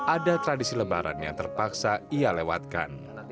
ada tradisi lebaran yang terpaksa ia lewatkan